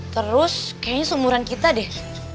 terus kayaknya seumuran kita deh